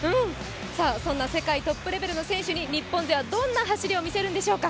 そんな世界トップレベルの選手に日本勢はどんな走りを見せるんでしょうか。